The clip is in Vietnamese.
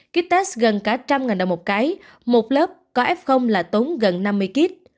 kích test gần cả một trăm linh đồng một cái một lớp có f là tốn gần năm mươi kích